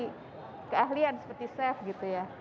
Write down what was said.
berbagi yang mau berbagi keahlian seperti chef gitu ya